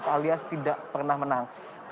alias tidak pernah menang